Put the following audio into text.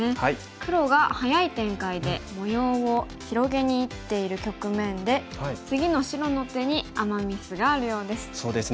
黒が早い展開で模様を広げにいっている局面で次の白の手にアマ・ミスがあるようです。